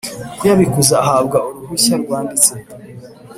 Kuyabikuza ahabwa uruhushya rwanditse